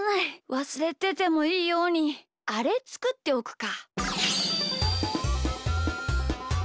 わすれててもいいようにあれつくっておくか。